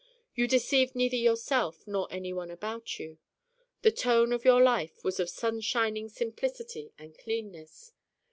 You deceived neither yourself nor anyone about you. The tone of your life was of sun shining simplicity and cleanness.